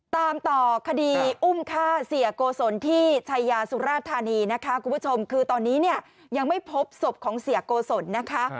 ตามต่อคดีอุ้มฆ่าเสียโกศลที่ชายาสุราธานีนะคะคุณผู้ชมคือตอนนี้เนี่ยยังไม่พบศพของเสียโกศลนะคะ